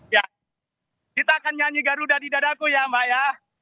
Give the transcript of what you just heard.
ya kita akan nyanyi garuda di dadaku ya mbak ya